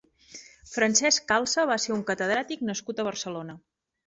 Francesc Calça va ser un catedràtic nascut a Barcelona.